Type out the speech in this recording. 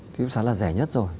ký túc xá là rẻ nhất rồi